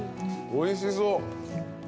おいしそう。